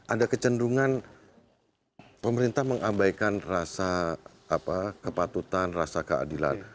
ada kecenderungan pemerintah mengabaikan rasa kepatutan rasa keadilan